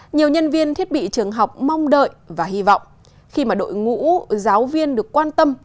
nhiều nhân viên thiết bị trường học mong đợi và hy vọng khi mà đội ngũ giáo viên được quan tâm